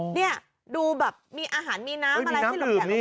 นี่ดูแบบมีอาหารมีน้ำอะไรที่หลบแดด